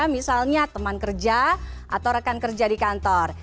misalnya teman kerja atau rekan kerja di kantor